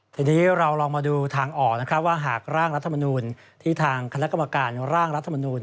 ทีนี้เราลองมาดูทางออกนะครับว่าหากร่างรัฐมนูลที่ทางคณะกรรมการร่างรัฐมนูล